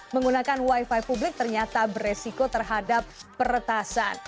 menggunakan wifi publik ternyata beresiko terhadap peretasan